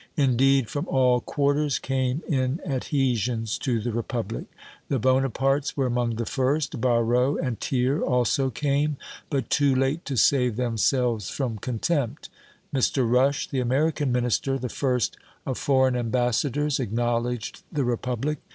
Indeed, from all quarters came in adhesions to the Republic. The Bonapartes were among the first. Barrot and Thiers also came, but too late to save themselves from contempt. Mr. Rush, the American Minister, the first of foreign ambassadors acknowledged the Republic.